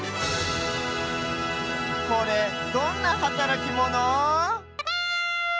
これどんなはたらきモノ？